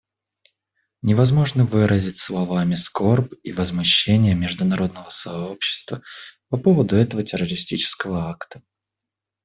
Невозможно выразить словами скорбь и возмущение международного сообщества по поводу этого террористического акта.